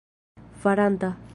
faranta